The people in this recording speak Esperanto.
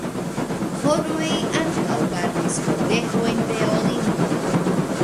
Horoj ankaŭ gardis pordegojn de Olimpo.